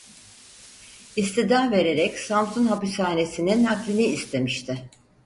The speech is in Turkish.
İstida vererek Samsun Hapishanesine naklini istemişti.